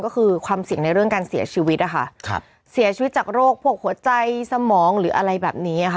ก็คือความเสี่ยงในเรื่องการเสียชีวิตนะคะครับเสียชีวิตจากโรคพวกหัวใจสมองหรืออะไรแบบนี้ค่ะ